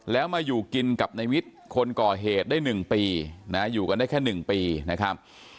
แล้วมาอยู่กินกับในวิทย์คนก่อเหตุได้๑ปีนะอยู่กันได้แค่๑ปีนะครับ